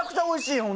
おいしい！